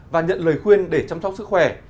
và nhận lời khuyên để chăm sóc sức khỏe